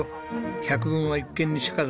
百聞は一見にしかず。